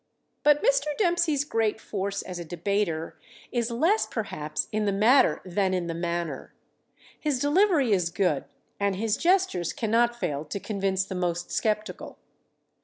But Mr. Dempsey's great force as a debater is less, perhaps, in the matter than in the manner. His delivery is good and his gestures cannot fail to convince the most skeptical.